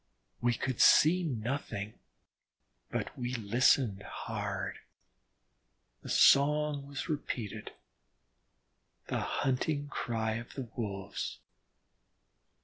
We could see nothing, but we listened hard. The song was repeated, the hunting cry of the Wolves.